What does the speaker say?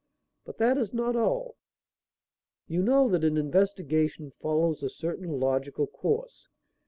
But that is not all. You know that an investigation follows a certain logical course.